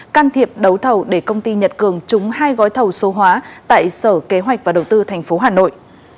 can thiệp đấu thầu để công ty nhật cường trúng hai gói thầu số hóa tại sở kế hoạch và đầu tư tp hà nội